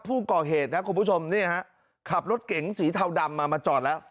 ผู้ก่อเหตุนะคุณผู้ชมเนี่ยฮะขับรถเก๋งสีเทาดำมามาจอดแล้ว